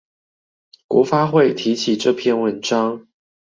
國發會提起這篇文章